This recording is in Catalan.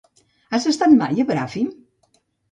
Has estat mai a Bràfim?